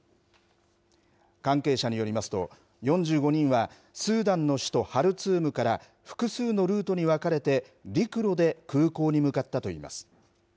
関係者によりますと、４５人はスーダンの首都ハルツームから複数のルートに分かれて、陸路で空港に向かったといいます。